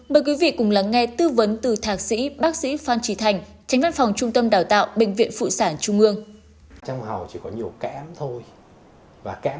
mời quý vị cùng lắng nghe tư vấn từ thạc sĩ bác sĩ phan trì thành tránh văn phòng trung tâm đào tạo bệnh viện phụ sản trung ương